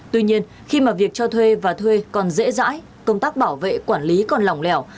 tuy nhiên khi mà việc cho thuê và thuê còn dễ dãi công tác bảo vệ quản lý còn lỏng lẻo